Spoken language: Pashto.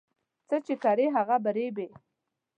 څه چې کرې هغه په رېبې